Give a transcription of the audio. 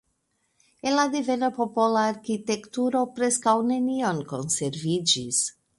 El la devena popola arkitekturo preskaŭ nenion konserviĝis.